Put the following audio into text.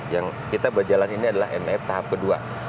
yang kita berjalan ini adalah mef tahap kedua